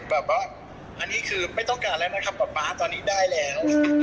แบบว่าอันนี้คือไม่ต้องการแล้วนะครับป๊าป๊าตอนนี้ได้แล้ว